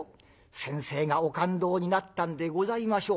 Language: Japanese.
先生がお勘当になったんでございましょう。